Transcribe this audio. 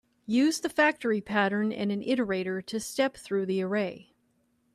Use the factory pattern and an iterator to step through the array.